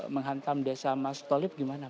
menghantam desa mas tolip gimana